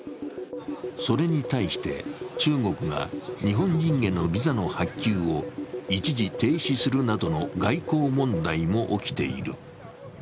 それに対して中国が日本人へのビザの発給を一時停止するなどの外交問題も起きている。